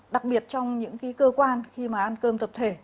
đặc biệt trong những cái cơ quan khi mà ăn cơm tập thể